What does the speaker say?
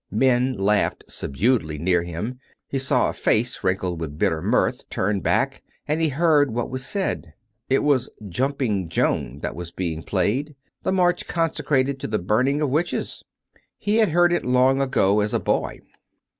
Men laughed subduedly near him; he saw a face wrinkled with bitter mirth turned back, and he heard what was said. It was " Jumping Joan " that was being played — the march consecrated to the burning of witches. He had heard it long ago, as a boy.